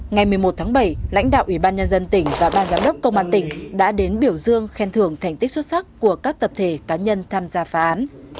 ngày một mươi một tháng bảy lãnh đạo ủy ban nhân dân tỉnh và ban giám đốc công an tỉnh đã đến biểu dương khen thưởng thành tích xuất sắc của các tập thể cá nhân tham gia phá án